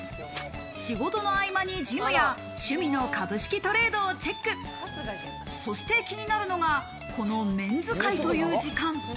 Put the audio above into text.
仕事の合間にジムや趣味の株式トレードをチェック、そして気になるのが、このメンズ会という時間。